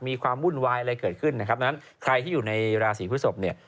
มีความวุ่นวายอะไรเกิดขึ้นนะครับดังนั้นใครที่อยู่ในราศีพฤศพเนี่ย